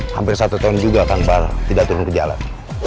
hampir satu tahun juga kan pak tidak turun ke jalan